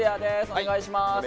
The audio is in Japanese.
お願いします。